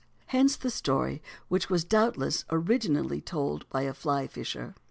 Hence the story, which was doubtless originally told by a fly fisher.